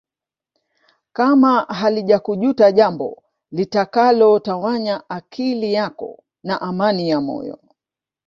Kama halijakujuta jambo litakalo tawanya akili yako na amani ya moyo